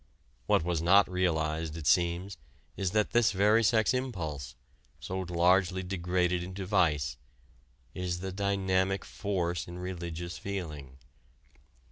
What was not realized, it seems, is that this very sex impulse, so largely degraded into vice, is the dynamic force in religious feeling.